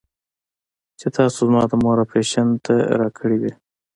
چې تاسو زما د مور اپرېشن ته راكړې وې.